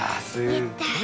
やった。